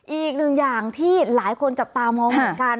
อีกหนึ่งอย่างที่หลายคนจับตามองเหมือนกัน